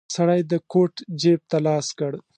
سړی د کوټ جيب ته لاس کړ.